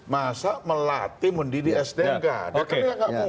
masa melatih mendidih sdm nggak ada